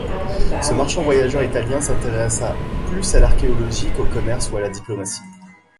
Ce marchand-voyageur italien s'intéressa plus à l'archéologie qu'au commerce ou à la diplomatie.